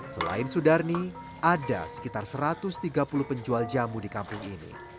selain sudarni ada sekitar satu ratus tiga puluh penjual jamu di kampung ini